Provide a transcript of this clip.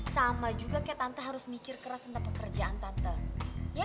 sama juga kayak tante harus mikir keras tentang pekerjaan tante